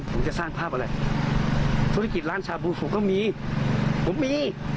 ผมจะสร้างภาพอะไรธุรกิจร้านชาบูสุก็มีผมมี